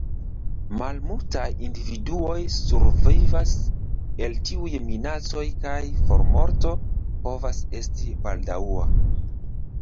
Malmultaj individuoj survivas el tiuj minacoj kaj formorto povas esti baldaŭa.